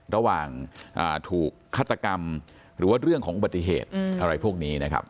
ระหว่างถูกฆาตกรรมหรือว่าเรื่องของอุบัติเหตุอะไรพวกนี้นะครับ